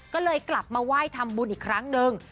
ก็เลยกลับมาไหว้ทำบุญอีกครั้งหนึ่ง